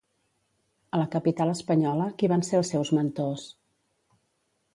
A la capital espanyola, qui van ser els seus mentors?